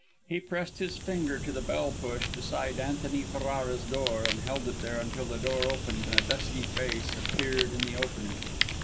He pressed his finger to the bell push beside Antony Ferrara's door and held it there until the door opened and a dusky face appeared in the opening.